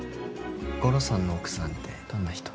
ゴロさんの奥さんってどんな人？